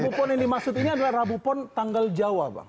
rabu pon yang dimaksud ini adalah rabu pon tanggal jawa bang